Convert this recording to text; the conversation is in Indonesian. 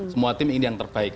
semua tim ini yang terbaik